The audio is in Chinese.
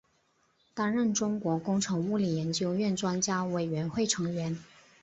担任中国工程物理研究院专家委员会成员。